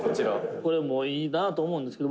「これ、いいなと思うんですけど